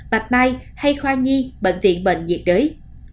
bạch mai hay khoa nhi bệnh viện bệnh nhiệt đới